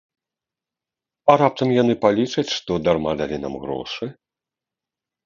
А раптам яны палічаць, што дарма далі нам грошы?